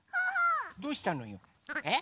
どうしたのよ？え？